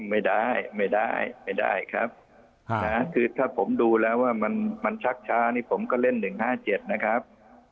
ไม่ได้ไม่ได้ครับคือถ้าผมดูแล้วว่ามันชักช้านี่ผมก็เล่น๑๕๗นะครับ